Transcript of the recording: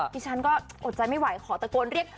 ดิฉันก็อดใจไม่ไหวขอตะโกนเรียก